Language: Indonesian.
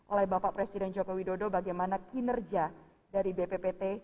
oleh bapak presiden joko widodo bagaimana kinerja dari bppt